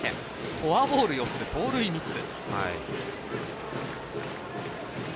フォアボール４つ盗塁３つ。